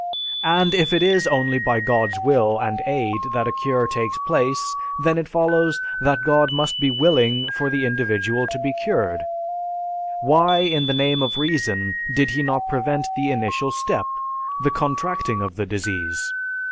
And if it is only by God's will and aid that a cure takes place, then it follows that God must be willing for the individual to be cured; why in the name of reason, did He not prevent the initial step, the contracting of the disease?